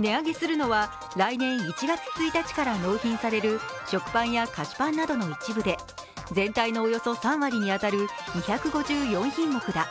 値上げするのは来年１月１日から納品される食パンや菓子パンなどの一部で全体のおよそ３割に当たる２５４品目だ。